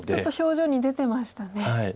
ちょっと表情に出てましたね。